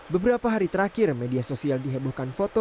beberapa hari terakhir media sosial dihebohkan foto